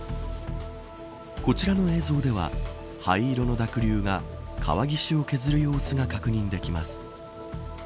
こちらの映像では、灰色の濁流が川岸を削る様子が確認できます。